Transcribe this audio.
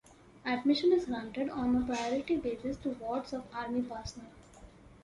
Admission is granted on a priority basis to wards of Army personnel.